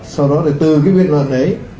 sau đó là từ cái biên luận đấy